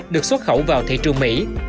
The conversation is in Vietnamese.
được xuất khẩu vào thị trường mỹ